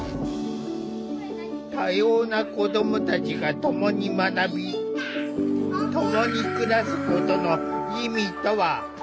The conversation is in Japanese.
多様な子どもたちがともに学びともに暮らすことの意味とは？